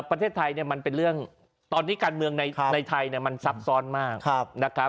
ประเทศไทยเป็นเรื่องตอนที่การเมืองในไทยมันซับซ้อนมาก